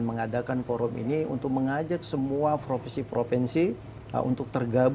ngadakan alki dua nanti forum ini kan